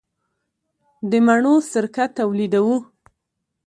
د مڼو سرکه تولیدوو؟